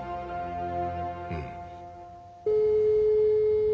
うん。